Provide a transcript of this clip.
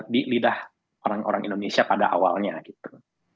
di lidah orang orang indonesia pada awalnya gitu